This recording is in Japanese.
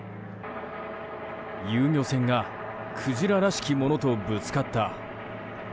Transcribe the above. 遊漁船がクジラらしきものとぶつかった。